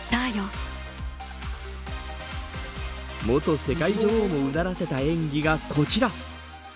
元世界女王をうならせた演技がこちら。